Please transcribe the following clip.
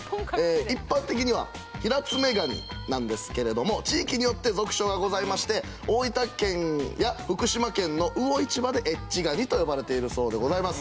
一般的にはヒラツメガニなんですけれども地域によって俗称がございまして大分県や福島県の魚市場でエッチガニと呼ばれているそうでございます。